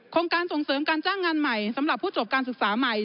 การส่งเสริมการจ้างงานใหม่สำหรับผู้จบการศึกษาใหม่